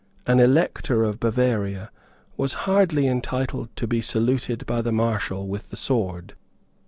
An Elector of Bavaria was hardly entitled to be saluted by the Marshal with the sword.